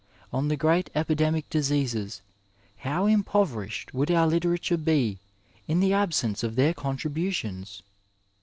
On the great epidemic diseases how impoverished would our litera ture be in the absence of their contributions